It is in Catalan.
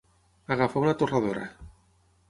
Agafar una torradora.